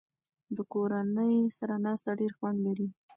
د کورنۍ سره ناسته ډېر خوند لري.